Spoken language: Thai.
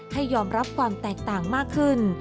ให้ยอมรับความแตกต่างมากขึ้น